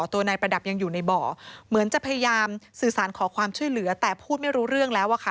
ตัวนายประดับยังอยู่ในบ่อเหมือนจะพยายามสื่อสารขอความช่วยเหลือแต่พูดไม่รู้เรื่องแล้วอะค่ะ